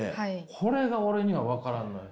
これが俺には分からんのよ。